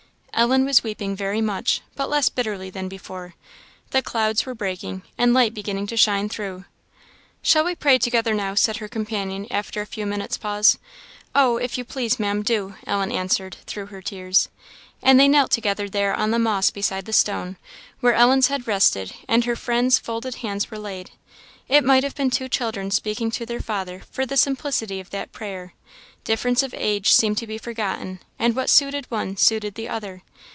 Ellen was weeping very much, but less bitterly than before; the clouds were breaking, and light beginning to shine through. "Shall we pray together now?" said her companion, after a few minutes' pause. "Oh, if you please, Maam, do!" Ellen answered, through her tears. And they knelt together there on the moss beside the stone, where Ellen's head rested and her friend's folded hands were laid. It might have been two children speaking to their father, for the simplicity of that prayer; difference of age seemed to be forgotten, and what suited one suited the other.